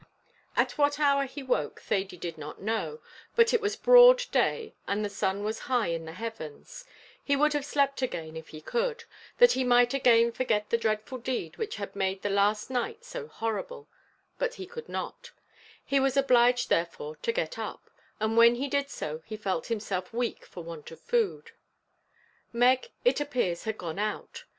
At what hour he woke Thady did not know, but it was broad day, and the sun was high in the heavens; he would have slept again if he could, that he might again forget the dreadful deed which had made the last night so horrible, but he could not; he was obliged therefore to get up, and when he did so he felt himself weak for want of food. Meg it appears had gone out.